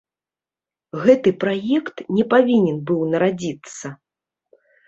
Гэты праект не павінны быў нарадзіцца.